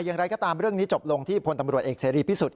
อย่างไรก็ตามเรื่องนี้จบลงที่พลตำรวจเอกเสรีพิสุทธิ